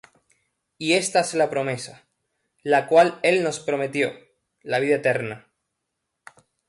Y esta es la promesa, la cual él nos prometió, la vida eterna.